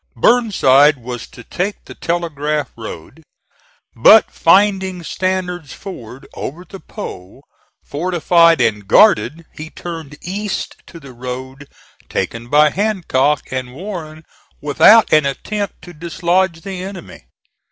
Burnside was to take the Telegraph Road; but finding Stanard's Ford, over the Po, fortified and guarded, he turned east to the road taken by Hancock and Warren without an attempt to dislodge the enemy.